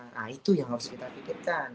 nah itu yang harus kita pikirkan